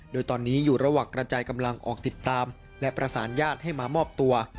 โดยตอนนี้อยู่ระหว่างกระจายกำลังออกติดตามและประสานญาติให้มามอบตัว